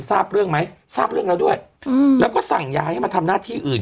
ทราบเรื่องไหมทราบเรื่องแล้วด้วยแล้วก็สั่งย้ายให้มาทำหน้าที่อื่น